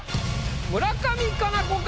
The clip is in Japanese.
村上佳菜子か？